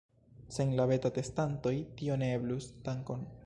Sen la beta-testantoj tio ne eblus dankon!